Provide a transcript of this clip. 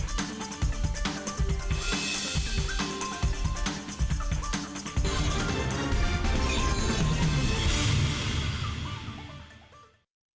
terima kasih banyak mas adi